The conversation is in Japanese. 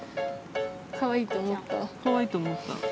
かわいいと思った？